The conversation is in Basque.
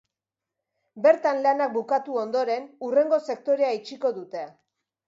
Bertan lanak bukatu ondoren, hurrengo sektorea itxiko dute.